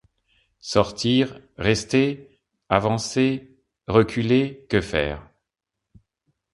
Sortir ? rester ? avancer ? reculer ? que faire ?